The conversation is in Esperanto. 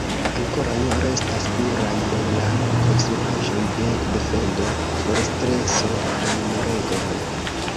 Ankoraŭ restas pluraj el la konstruaĵoj de defendo: fortreso kaj muregoj.